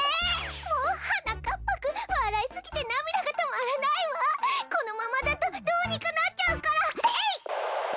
もうはなかっぱくんわらいすぎてなみだがとまらないわこのままだとどうにかなっちゃうからえいっ！